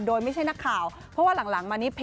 โดยไม่ใช่นักข่าวเพราะว่าหลังมานี้